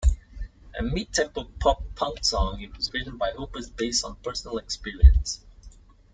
A mid-tempo pop punk song, it was written by Hoppus based on personal experience.